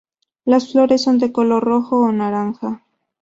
Las flores son de color rojo o naranja.